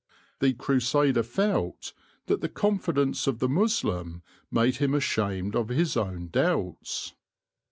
The Crusader felt that the confidence of the Moslem made him ashamed of his own doubts.